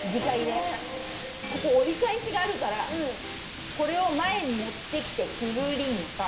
ここ折り返しがあるからこれを前に持ってきてくるりんぱ。